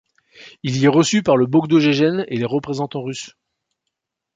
Il y est reçu par le Bogdo Gegen et les représentants russes.